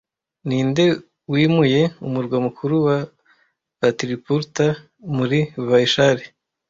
Ninde wimuye umurwa mukuru wa Patliputra muri Vaishali